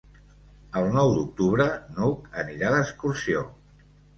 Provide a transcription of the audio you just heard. El nou d'octubre n'Hug anirà d'excursió.